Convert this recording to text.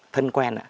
thân quen ạ